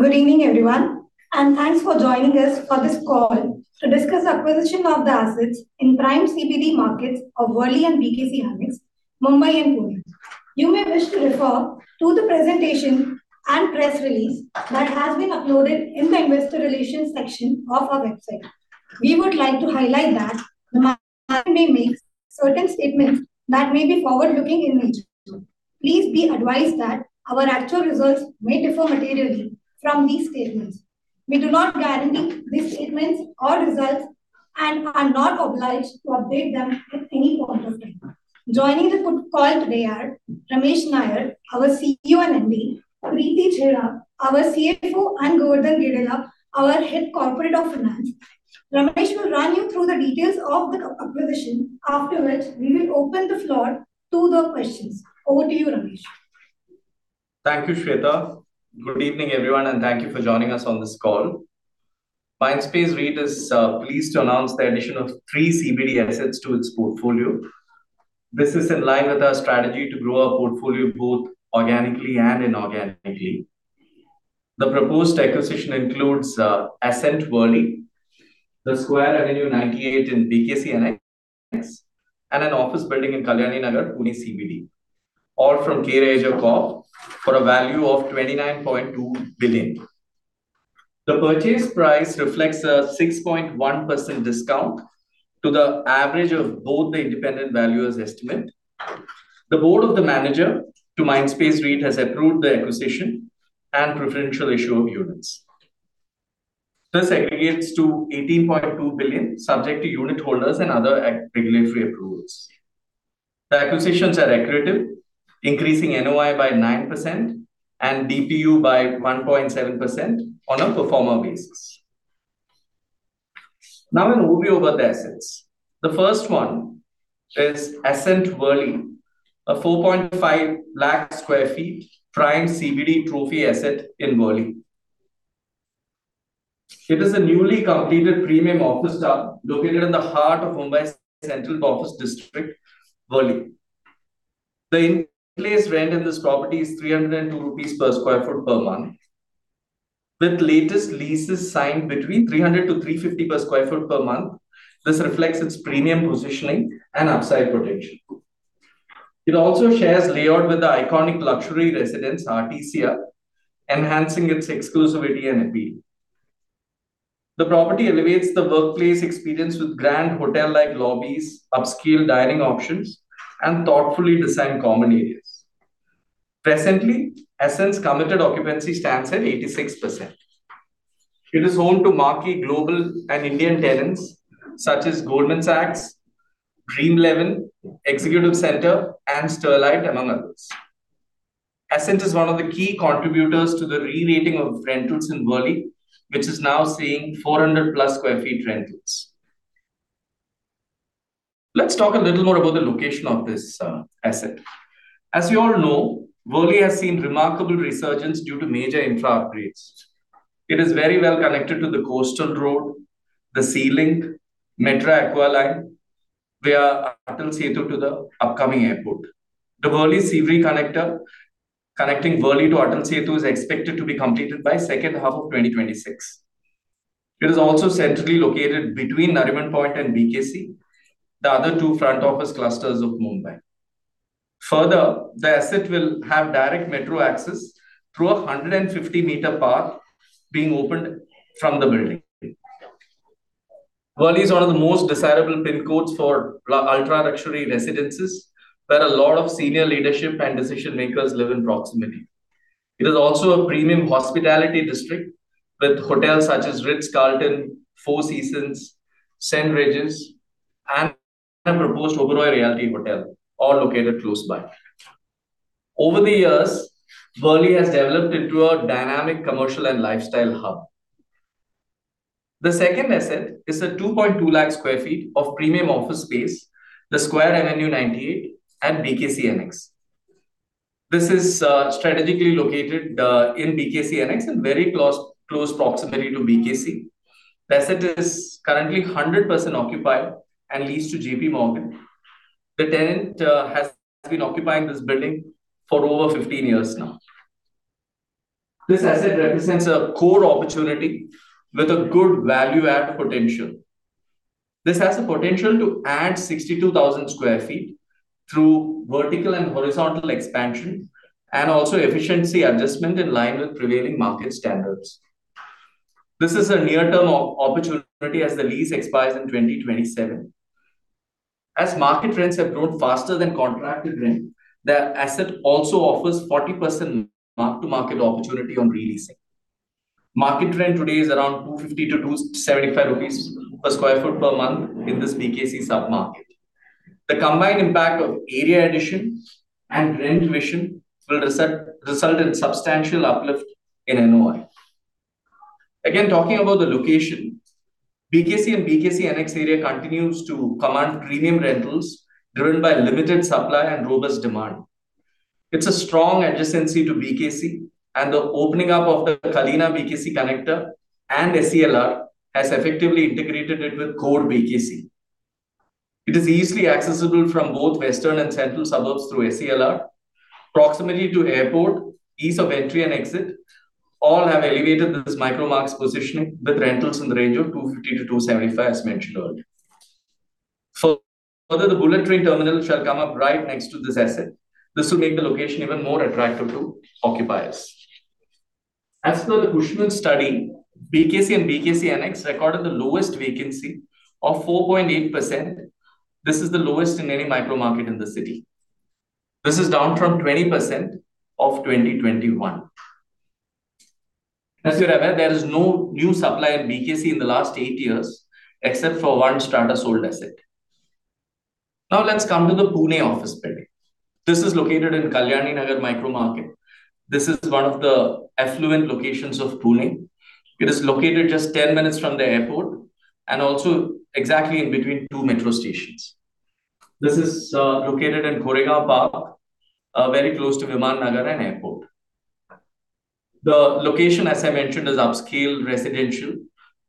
Good evening, everyone, and thanks for joining us for this call to discuss acquisition of the assets in prime CBD markets of Worli and BKC Annexe, Mumbai and Pune. You may wish to refer to the presentation and press release that has been uploaded in the investor relations section of our website. We would like to highlight that the market may make certain statements that may be forward-looking in nature. Please be advised that our actual results may differ materially from these statements. We do not guarantee these statements or results and are not obliged to update them at any point of time. Joining the call today are Ramesh Nair, our CEO and MD; Preeti Chheda, our CFO; and Govardhan Gedela, our Head of Corporate Finance. Ramesh will run you through the details of the acquisition, after which we will open the floor to the questions. Over to you, Ramesh. Thank you, Shweta. Good evening, everyone, and thank you for joining us on this call. Mindspace REIT is pleased to announce the addition of three CBD assets to its portfolio. This is in line with our strategy to grow our portfolio both organically and inorganically. The proposed acquisition includes Ascent Worli, the Square Avenue 98 in BKC Annexe, and an office building in Kalyaninagar, Pune CBD, all from K Raheja Corp for a value of 29.2 billion. The purchase price reflects a 6.1% discount to the average of both the independent valuers' estimate. The board of the manager to Mindspace REIT has approved the acquisition and preferential issue of units. This aggregates to 18.2 billion, subject to unit holders and other regulatory approvals. The acquisitions are accretive, increasing NOI by 9% and DPU by 1.7% on a pro forma basis. Now, an overview about the assets. The first one is Ascent Worli, a 4.5 lakh sq ft prime CBD trophy asset in Worli. It is a newly completed premium office lot located in the heart of Mumbai's Central Office District, Worli. The in-place rent in this property is 302 rupees per sq ft per month. With latest leases signed between 300 sq ft-350 per sq ft per month, this reflects its premium positioning and upside potential. It also shares layout with the iconic luxury residence, Arti Sia, enhancing its exclusivity and appeal. The property elevates the workplace experience with grand hotel-like lobbies, upscale dining options, and thoughtfully designed common areas. Presently, Ascent's committed occupancy stands at 86%. It is home to marquee global and Indian tenants such as Goldman Sachs, Dream11, Executive Center, and Sterlite, among others. Ascent is one of the key contributors to the re-rating of rentals in Worli, which is now seeing 400+ sq ft rentals. Let's talk a little more about the location of this asset. As you all know, Worli has seen remarkable resurgence due to major infra upgrades. It is very well connected to the Coastal Road, the Sea Link, Metro Aqua Line, via Atal Setu to the upcoming airport. The Worli-Sewri connector connecting Worli to Atal Setu is expected to be completed by the second half of 2026. It is also centrally located between Nariman Point and BKC, the other two front office clusters of Mumbai. Further, the asset will have direct metro access through a 150 m path being opened from the building. Worli is one of the most desirable PIN codes for ultra-luxury residences where a lot of senior leadership and decision-makers live in proximity. It is also a premium hospitality district with hotels such as Ritz-Carlton, Four Seasons, St. Regis, and a proposed Oberoi Realty Hotel, all located close by. Over the years, Worli has developed into a dynamic commercial and lifestyle hub. The second asset is a 2.2 lakh sq ft of premium office space, the Square Avenue 98 and BKC Annexe. This is strategically located in BKC Annexe in very close proximity to BKC. The asset is currently 100% occupied and leads to JPMorgan. The tenant has been occupying this building for over 15 years now. This asset represents a core opportunity with a good value-add potential. This has the potential to add 62,000 sq ft through vertical and horizontal expansion and also efficiency adjustment in line with prevailing market standards. This is a near-term opportunity as the lease expires in 2027. As market trends have grown faster than contracted rent, the asset also offers a 40% mark-to-market opportunity on releasing. Market rent today is around INR 250-INR 275 per sq ft per month in this BKC sub-market. The combined impact of area addition and rent revision will result in substantial uplift in NOI. Again, talking about the location, BKC and BKC Annexe area continues to command premium rentals driven by limited supply and robust demand. It is a strong adjacency to BKC, and the opening up of the Kalina BKC connector and SELR has effectively integrated it with core BKC. It is easily accessible from both Western and Central suburbs through SELR, proximity to airport, ease of entry and exit, all have elevated this micro-market positioning with rentals in the range of 250-275, as mentioned earlier. Further, the bullet train terminal shall come up right next to this asset. This will make the location even more attractive to occupiers. As per the Cushman study, BKC and BKC Annexe recorded the lowest vacancy of 4.8%. This is the lowest in any micro market in the city. This is down from 20% of 2021. As you remember, there is no new supply in BKC in the last eight years except for one strata sold asset. Now, let's come to the Pune office building. This is located in Kalyaninagar micro market. This is one of the affluent locations of Pune. It is located just 10 minutes from the airport and also exactly in between two metro stations. This is located in Koregaon Park, very close to Viman Nagar and airport. The location, as I mentioned, is upscale residential,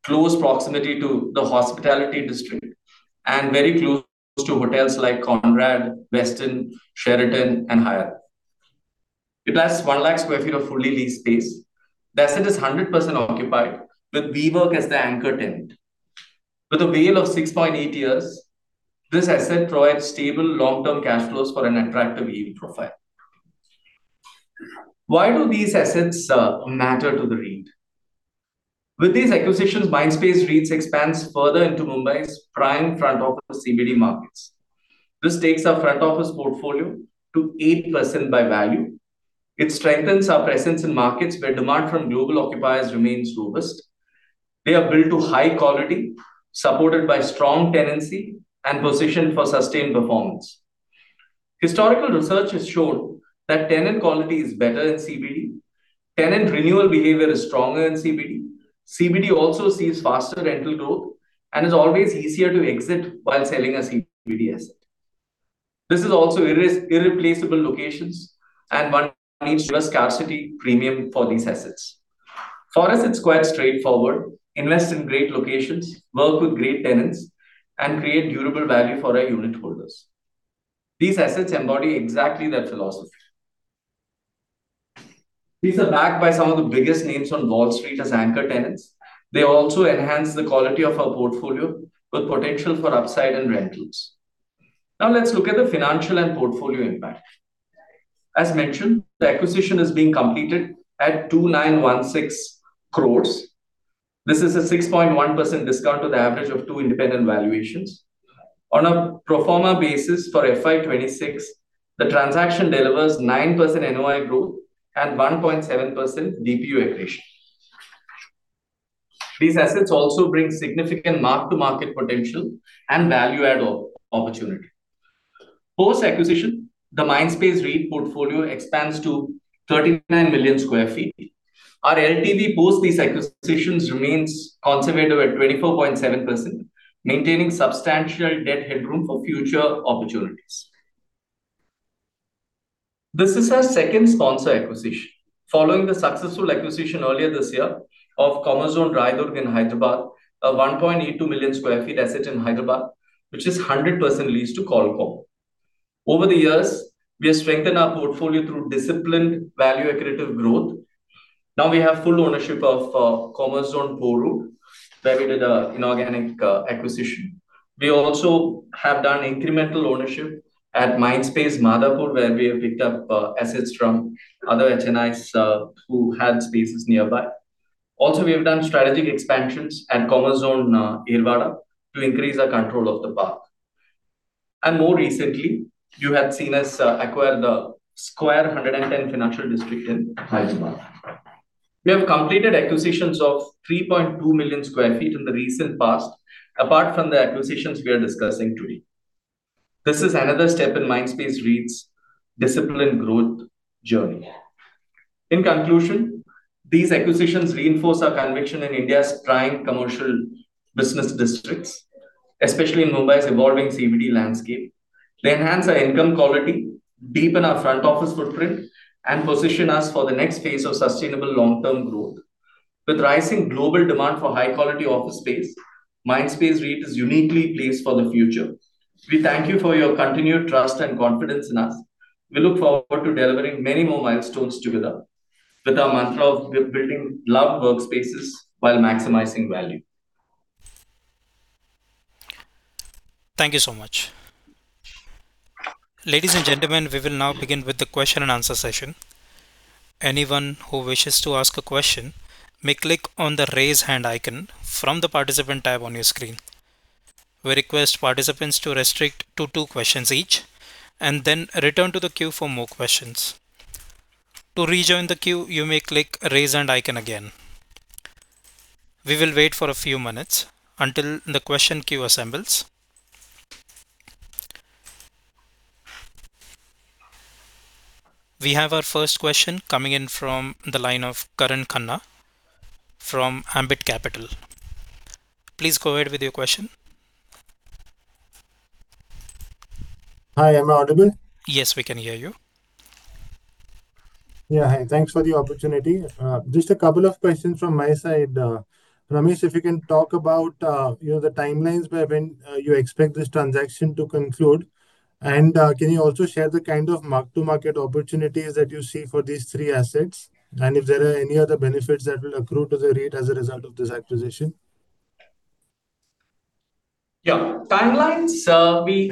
close proximity to the hospitality district, and very close to hotels like Conrad, Westin, Sheraton, and Hyatt. It has 1 lakh sq ft of fully leased space. The asset is 100% occupied with WeWork as the anchor tenant. With a veil of 6.8 years, this asset provides stable long-term cash flows for an attractive yield profile. Why do these assets matter to the REIT? With these acquisitions, Mindspace REIT expands further into Mumbai's prime front office CBD markets. This takes our front office portfolio to 8% by value. It strengthens our presence in markets where demand from global occupiers remains robust. They are built to high quality, supported by strong tenancy and positioned for sustained performance. Historical research has shown that tenant quality is better in CBD. Tenant renewal behavior is stronger in CBD. CBD also sees faster rental growth and is always easier to exit while selling a CBD asset. This is also irreplaceable locations, and one needs to give a scarcity premium for these assets. For us, it's quite straightforward: invest in great locations, work with great tenants, and create durable value for our unit holders. These assets embody exactly that philosophy. These are backed by some of the biggest names on Wall Street as anchor tenants. They also enhance the quality of our portfolio with potential for upside in rentals. Now, let's look at the financial and portfolio impact. As mentioned, the acquisition is being completed at 2,916 crore. This is a 6.1% discount to the average of two independent valuations. On a proforma basis for FY 2026, the transaction delivers 9% NOI growth and 1.7% DPU accretion. These assets also bring significant mark-to-market potential and value-add opportunity. Post-acquisition, the Mindspace REIT portfolio expands to 39 million sq ft. Our LTV post these acquisitions remains conservative at 24.7%, maintaining substantial debt headroom for future opportunities. This is our second sponsor acquisition following the successful acquisition earlier this year of Commerzone Raidurg in Hyderabad, a 1.82 million sq ft asset in Hyderabad, which is 100% leased to Colcom. Over the years, we have strengthened our portfolio through disciplined value-accretive growth. Now, we have full ownership of Commerzone Powai Root, where we did an inorganic acquisition. We also have done incremental ownership at Mindspace Madhapur, where we have picked up assets from other HNIs who had spaces nearby. Also, we have done strategic expansions at Commerzone Yerwada to increase our control of the park. More recently, you have seen us acquire the Square 110 Financial District in Hyderabad. We have completed acquisitions of 3.2 million sq ft in the recent past, apart from the acquisitions we are discussing today. This is another step in Mindspace REIT's disciplined growth journey. In conclusion, these acquisitions reinforce our conviction in India's prime commercial business districts, especially in Mumbai's evolving CBD landscape. They enhance our income quality, deepen our front office footprint, and position us for the next phase of sustainable long-term growth. With rising global demand for high-quality office space, Mindspace REIT is uniquely placed for the future. We thank you for your continued trust and confidence in us. We look forward to delivering many more milestones together with our mantra of building loved workspaces while maximizing value. Thank you so much. Ladies and gentlemen, we will now begin with the question and answer session. Anyone who wishes to ask a question may click on the raise hand icon from the participant tab on your screen. We request participants to restrict to two questions each and then return to the queue for more questions. To rejoin the queue, you may click raise hand icon again. We will wait for a few minutes until the question queue assembles. We have our first question coming in from the line of Karan Kannan from Ambit Capital. Please go ahead with your question. Hi, am I audible? Yes, we can hear you. Yeah, thanks for the opportunity. Just a couple of questions from my side. Ramesh, if you can talk about the timelines by when you expect this transaction to conclude, and can you also share the kind of mark-to-market opportunities that you see for these three assets? If there are any other benefits that will accrue to the REIT as a result of this acquisition? Yeah, timelines. We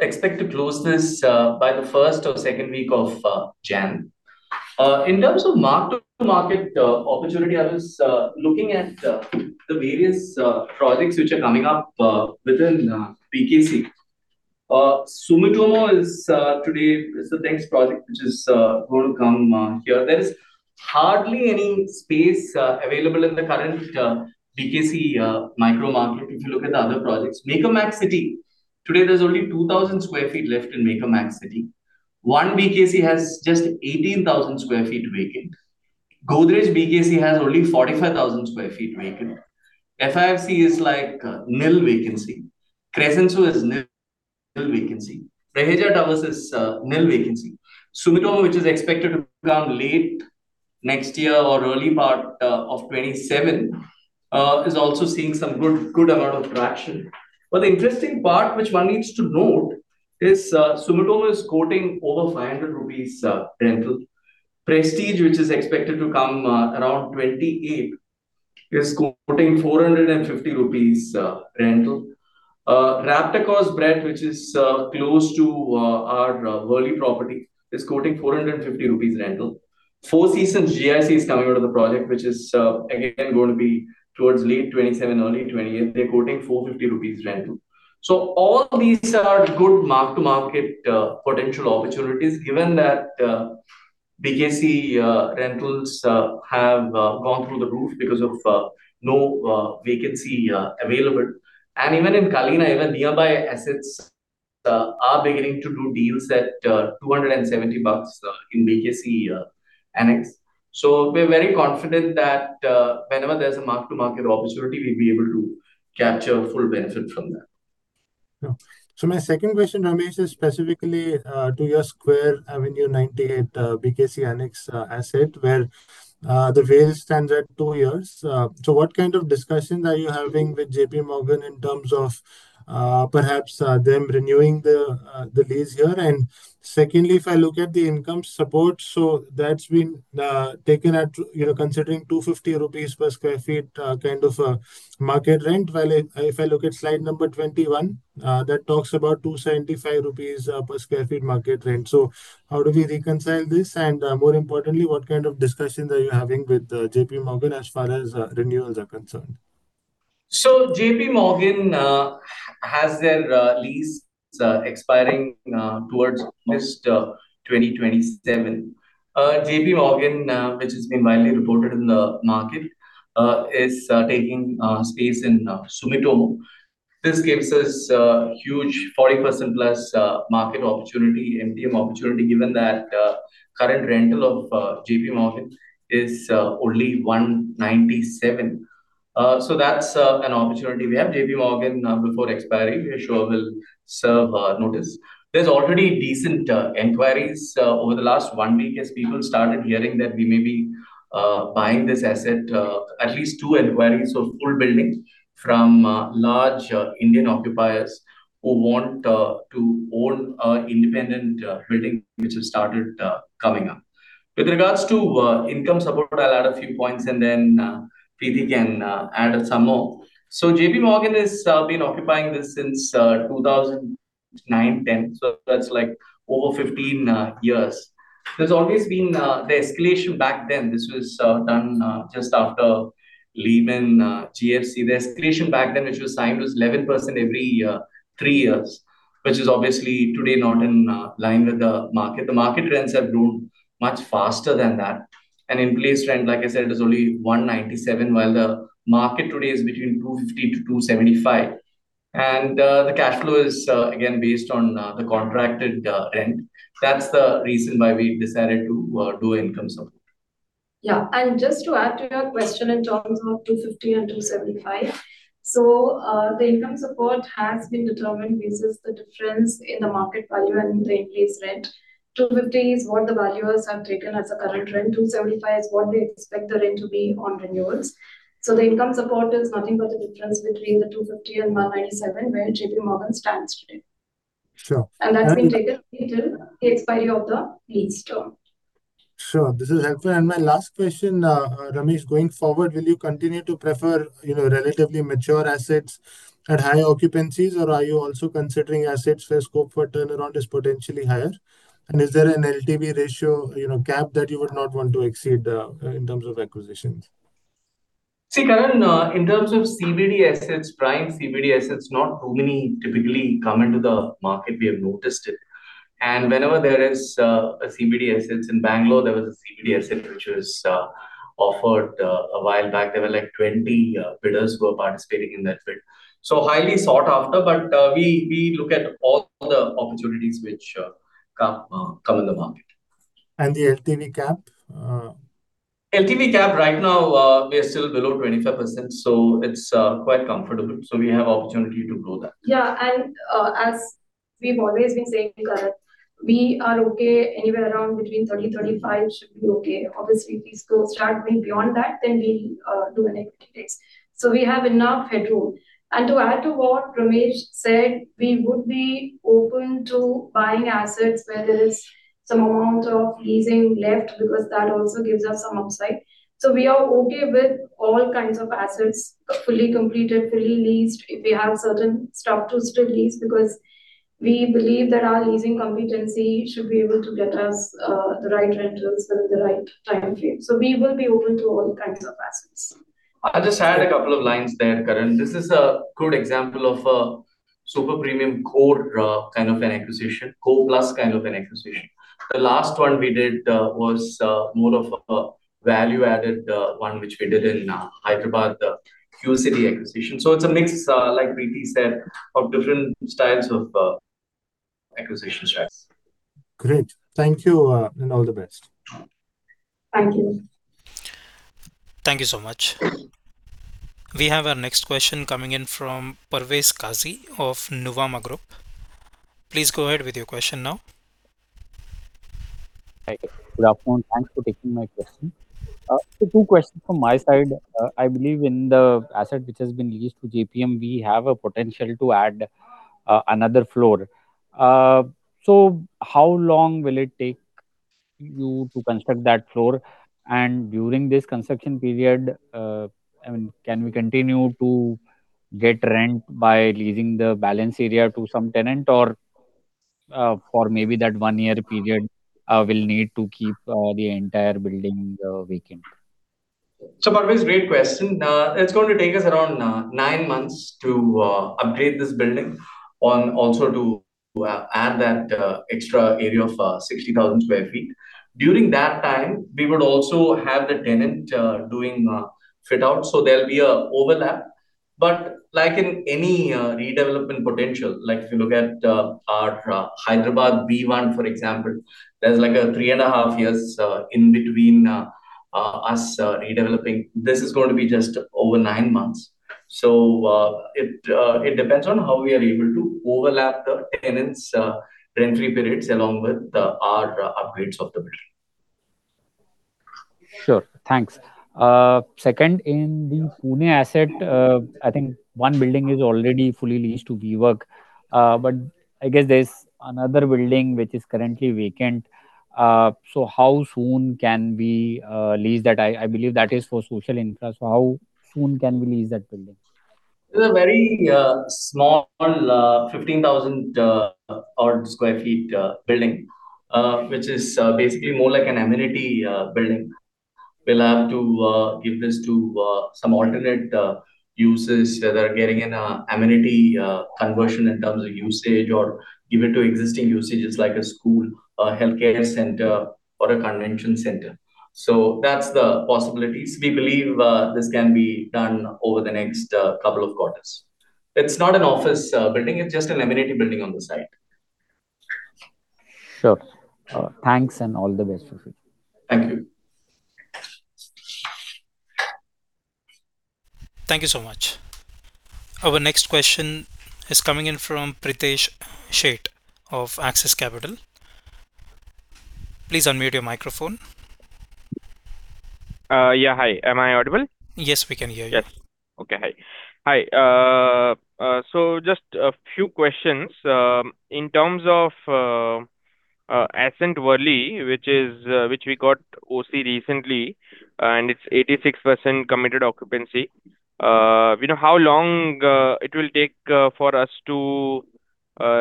expect to close this by the first or second week of January. In terms of mark-to-market opportunity, I was looking at the various projects which are coming up within BKC. Sumitomo is today the next project which is going to come here. There is hardly any space available in the current BKC micro market if you look at the other projects. Maker Maxity. Today, there's only 2,000 sq ft left in Maker Maxity. One BKC has just 18,000 sq ft vacant. Godrej BKC has only 45,000 sq ft vacant. FIFC is like nil vacancy. Crescent is nil vacancy. Raheja Towers is nil vacancy. Sumitomo, which is expected to come late next year or early part of 2027, is also seeing some good amount of traction. The interesting part, which one needs to note, is Sumitomo is quoting over 500 rupees rental. Prestige, which is expected to come around 2028, is quoting INR 450 rental. Ritz-Carlton, which is close to our Worli property, is quoting 450 rupees rental. Four Seasons GIC is coming out of the project, which is again going to be towards late 2027, early 2028. They're quoting 450 rupees rental. All these are good mark-to-market potential opportunities given that BKC rentals have gone through the roof because of no vacancy available. Even in Kalina, even nearby assets are beginning to do deals at INR 270 in BKC Annexe. We are very confident that whenever there is a mark-to-market opportunity, we will be able to capture full benefit from that. My second question, Ramesh, is specifically to your Square Avenue 98 BKC Annexe asset where the veil stands at two years. What kind of discussions are you having with JPMorgan in terms of perhaps them renewing the lease here? If I look at the income support, that's been taken at considering 250 rupees per sq ft kind of market rent. If I look at slide number 21, that talks about 275 rupees per sq ft market rent. How do we reconcile this? More importantly, what kind of discussions are you having with JPMorgan as far as renewals are concerned? JPMorgan has their lease expiring towards August 2027. JPMorgan, which has been widely reported in the market, is taking space in Sumitomo. This gives us a huge 40%+ market opportunity, MTM opportunity, given that current rental of JPMorgan is only 197. That is an opportunity. We have JPMorgan before expiry. We are sure we will serve notice. There are already decent inquiries over the last one week as people started hearing that we may be buying this asset, at least two inquiries of full building from large Indian occupiers who want to own an independent building, which has started coming up. With regards to income support, I will add a few points, and then Preeti can add some more. JPMorgan has been occupying this since 2009-2010, so that is over 15 years. There has always been the escalation back then. This was done just after Lehman GFC. The escalation back then, which was signed, was 11% every three years, which is obviously today not in line with the market. The market trends have grown much faster than that. In place rent, like I said, is only 197, while the market today is between 250-275. The cash flow is again based on the contracted rent. That is the reason why we decided to do income support. Yeah, and just to add to your question in terms of 250 and 275, the income support has been determined basis the difference in the market value and the increased rent. 250 is what the valuers have taken as a current rent. 275 is what they expect the rent to be on renewals. The income support is nothing but the difference between the 250 and 197, where JPMorgan stands today. That has been taken until the expiry of the lease term. Sure. This is helpful. My last question, Ramesh, going forward, will you continue to prefer relatively mature assets at high occupancies, or are you also considering assets where scope for turnaround is potentially higher? Is there an LTV ratio cap that you would not want to exceed in terms of acquisitions? See, Karan, in terms of CBD assets, prime CBD assets, not too many typically come into the market. We have noticed it. Whenever there is a CBD asset in Bangalore, there was a CBD asset which was offered a while back. There were like 20 bidders who were participating in that bid. Highly sought after, but we look at all the opportunities which come in the market. The LTV cap? LTV cap right now, we are still below 25%, so it's quite comfortable. We have opportunity to grow that. Yeah, and as we've always been saying, Karan, we are okay anywhere around between 30%-35% should be okay. Obviously, if we start going beyond that, then we do an equity base. We have enough headroom. To add to what Ramesh said, we would be open to buying assets where there is some amount of leasing left because that also gives us some upside. We are okay with all kinds of assets, fully completed, fully leased. If we have certain stuff to still lease because we believe that our leasing competency should be able to get us the right rentals within the right time frame. We will be open to all kinds of assets. I'll just add a couple of lines there, Karan. This is a good example of a super premium core kind of an acquisition, core plus kind of an acquisition. The last one we did was more of a value-added one, which we did in Hyderabad, the QCity acquisition. It is a mix, like Preeti said, of different styles of acquisition strategies. Great. Thank you and all the best. Thank you. Thank you so much. We have our next question coming in from Parvez Qazi of Nuvama Group. Please go ahead with your question now. Thanks for taking my question. Two questions from my side. I believe in the asset which has been leased to JPMorgan, we have a potential to add another floor. How long will it take you to construct that floor? During this construction period, can we continue to get rent by leasing the balance area to some tenant, or for maybe that one-year period, we will need to keep the entire building vacant? Parvesh, great question. It's going to take us around nine months to upgrade this building and also to add that extra area of 60,000 sq ft. During that time, we would also have the tenant doing fit-out, so there'll be an overlap. Like in any redevelopment potential, like if you look at our Hyderabad B1, for example, there's like three and a half years in between us redeveloping. This is going to be just over nine months. It depends on how we are able to overlap the tenants' rentary periods along with our upgrades of the building. Sure. Thanks. Second, in the Pune asset, I think one building is already fully leased to WeWork. I guess there is another building which is currently vacant. How soon can we lease that? I believe that is for social infrastructure. How soon can we lease that building? It's a very small 15,000 sq ft building, which is basically more like an amenity building. We'll have to give this to some alternate users that are getting an amenity conversion in terms of usage or give it to existing usages like a school, a healthcare center, or a convention center. That's the possibilities. We believe this can be done over the next couple of quarters. It's not an office building. It's just an amenity building on the site. Sure. Thanks and all the best. Thank you. Thank you so much. Our next question is coming in from Pritesh Sheth of Axis Capital. Please unmute your microphone. Yeah, hi. Am I audible? Yes, we can hear you. Yes. Okay, hi. Hi. Just a few questions. In terms of Ascent Worli, which we got OC recently, and it's 86% committed occupancy, how long will it take for us to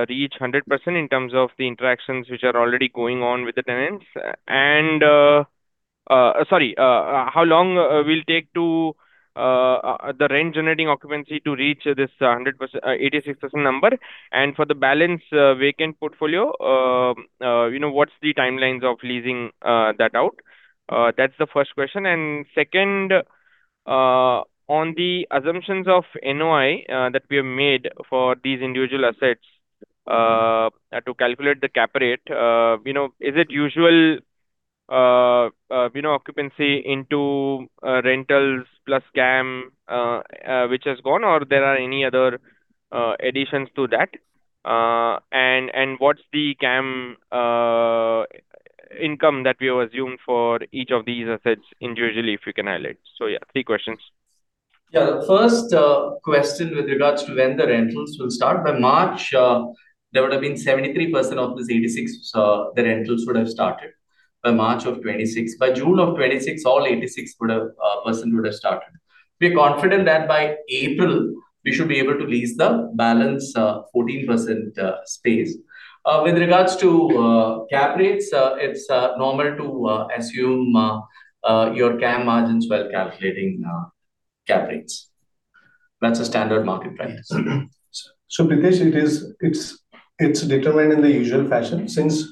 reach 100% in terms of the interactions which are already going on with the tenants? Sorry, how long will it take for the rent-generating occupancy to reach this 86% number? For the balance vacant portfolio, what's the timeline of leasing that out? That's the first question. Second, on the assumptions of NOI that we have made for these individual assets to calculate the cap rate, is it usual occupancy into rentals plus CAM, which has gone, or are there any other additions to that? What's the CAM income that we have assumed for each of these assets individually, if you can highlight? Three questions. Yeah, the first question with regards to when the rentals will start. By March, there would have been 73% of this 86% the rentals would have started by March of 2026. By June of 2026, all 86% would have started. We are confident that by April, we should be able to lease the balance 14% space. With regards to cap rates, it's normal to assume your CAM margins while calculating cap rates. That's a standard market price. Pritesh, it's determined in the usual fashion. Since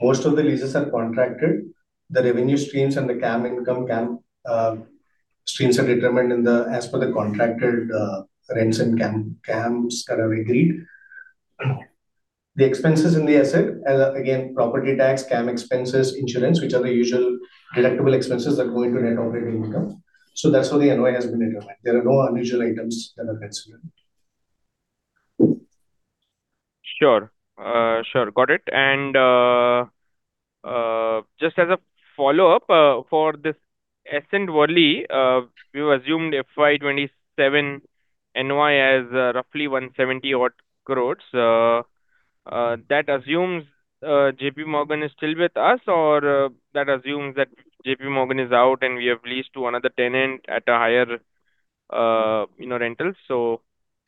most of the leases are contracted, the revenue streams and the CAM income streams are determined as per the contracted rents and CAMs that are agreed. The expenses in the asset, again, property tax, CAM expenses, insurance, which are the usual deductible expenses that go into net operating income. That's how the NOI has been determined. There are no unusual items that are considered. Sure. Sure. Got it. Just as a follow-up, for this Ascent Worli, we've assumed FY 2027 NOI as roughly 170 crore. That assumes JPMorgan is still with us, or that assumes that JPMorgan is out and we have leased to another tenant at a higher rental, so?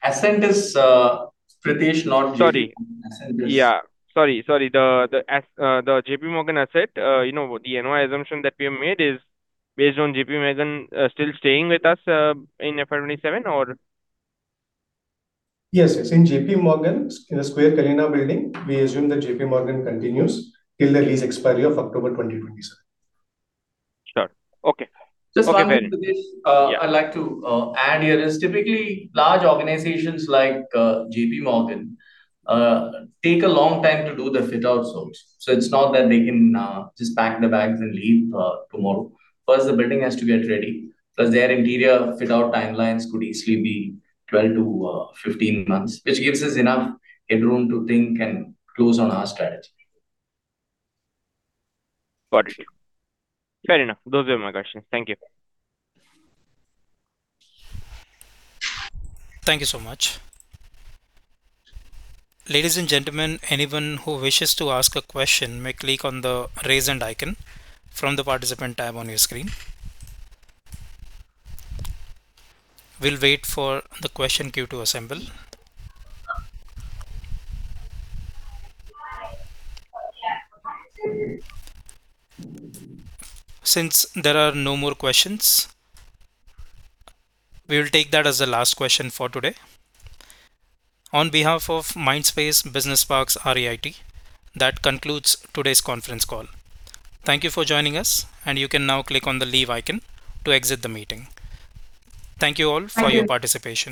Ascent is Pritesh, not JPMorgan. Sorry. Yeah. Sorry, sorry. The JPMorgan asset, the NOI assumption that we have made is based on JPMorgan still staying with us in FY 2027, or? Yes, yes. In JPMorgan, in the Square Avenue 98 building, we assume that JPMorgan continues till the lease expiry of October 2027. Sure. Okay. Just one more thing I'd like to add here is typically large organizations like JPMorgan take a long time to do the fit-out zones. It is not that they can just pack their bags and leave tomorrow. First, the building has to get ready. Plus, their interior fit-out timelines could easily be 12-15 months, which gives us enough headroom to think and close on our strategy. Got it. Fair enough. Those were my questions. Thank you. Thank you so much. Ladies and gentlemen, anyone who wishes to ask a question may click on the raise hand icon from the participant tab on your screen. We'll wait for the question queue to assemble. Since there are no more questions, we will take that as the last question for today. On behalf of Mindspace Business Parks REIT, that concludes today's conference call. Thank you for joining us, and you can now click on the leave icon to exit the meeting. Thank you all for your participation.